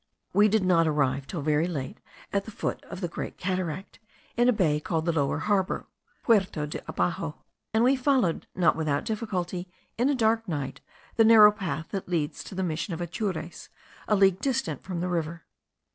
We did not arrive till very late at the foot of the Great Cataract, in a bay called the lower harbour (puerto de abaxo); and we followed, not without difficulty, in a dark night, the narrow path that leads to the Mission of Atures, a league distant from the river.